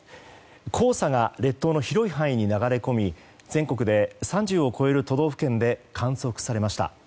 黄砂が列島の広い範囲に流れ込み全国で３０を超える都道府県で観測されました。